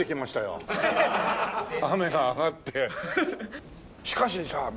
しかしさ